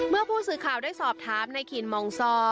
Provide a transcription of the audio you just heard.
เมื่อผู้สื่อข่าวได้สอบถามในคินมองซอ